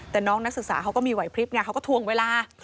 แต่น้องนักศึกษาเขาก็มีไหวพลิบไงเขาก็ทวงเวลา